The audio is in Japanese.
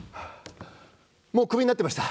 もうクビになってました。